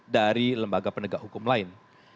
dari lembaga penegak hukum lain